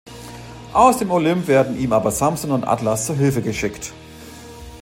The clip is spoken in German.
Aus dem Olymp werden ihm aber Samson und Atlas zu Hilfe geschickt.